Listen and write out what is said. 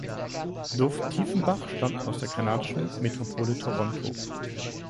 Dov Tiefenbach stammt aus der kanadischen Metropole Toronto.